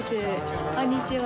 こんにちは